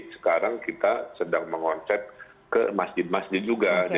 sekarang kita sedang mengonset ke masjid masjid juga